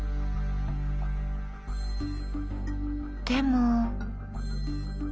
でも。